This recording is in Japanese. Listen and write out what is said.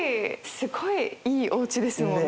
すごいいいおうちですもんね。